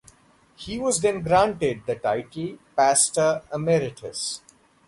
He was then granted the title Pastor Emeritus.